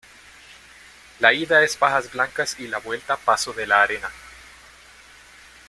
La ida es Pajas Blancas y la vuelta Paso de la Arena.